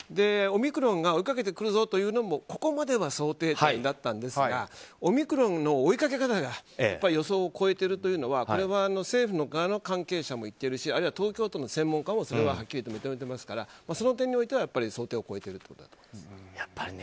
オミクロンが追いかけてくるぞというのもここまでは想定内だったんですがオミクロンの追いかけ方が予想を超えているというのはこれは政府側の関係者も言っているしあるいは東京都の専門家もはっきりと認めてますからその点においては想定を超えていると思いますね。